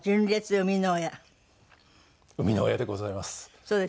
生みの親でございます。